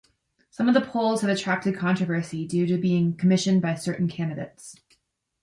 Some of the polls have attracted controversy due to being commissioned by certain candidates.